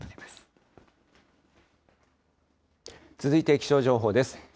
続いて気象情報です。